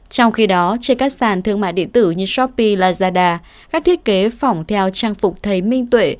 trong khi đó trên các sàn thương mại điện tử như shopee lazada các thiết kế phỏng theo trang phục thấy minh tuệ